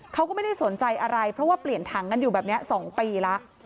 เขาก็ไม่ได้สนใจอะไรเพราะว่าเปลี่ยนถังกันอยู่แบบนี้๒ปีแล้ว